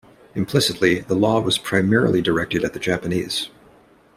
Implicitly, the law was primarily directed at the Japanese.